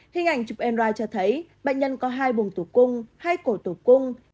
hình ảnh chụp mrigh cho thấy bệnh nhân có hai buồng tử cung hai cổ tử cung